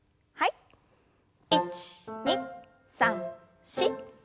１２３４。